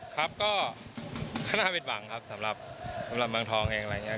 ครับก็น่าผิดหวังครับสำหรับเมืองทองเองอะไรอย่างนี้